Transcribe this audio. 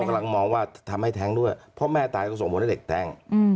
กำลังมองว่าทำให้แท้งด้วยเพราะแม่ตายก็ส่งผลให้เด็กแท้ง